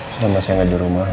selama saya nggak di rumah